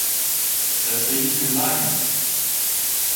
— Все стоїть незайняте!